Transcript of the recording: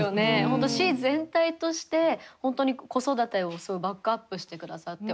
本当市全体として本当に子育てをバックアップしてくださって。